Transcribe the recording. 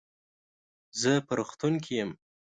زه په روغتون کې يم.